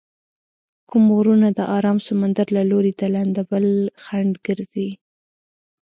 کوم غرونه د ارام سمندر له لوري د لندبل خنډ ګرځي؟